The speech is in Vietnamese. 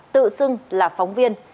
tự xưng là phóng viên